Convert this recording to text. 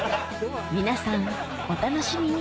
皆さんお楽しみに！